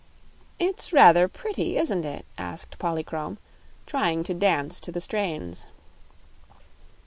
"It's rather pretty, isn't it?" asked Polychrome, trying to dance to the strains.